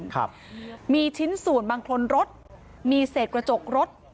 ครับมีชิ้นส่วนบางคนรถมีเศษกระจกรถ